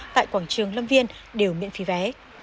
tại quảng trường lâm viên đều miễn phí vé